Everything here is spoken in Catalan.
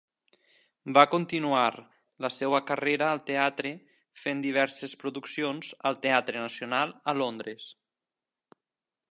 Va continuar la seva carrera al teatre, fent diverses produccions al Teatre Nacional a Londres.